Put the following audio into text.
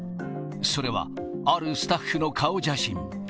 それは、あるスタッフの顔写真。